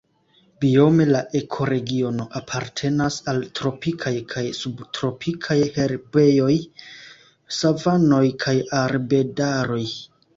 Biome la ekoregiono apartenas al tropikaj kaj subtropikaj herbejoj, savanoj kaj arbedaroj.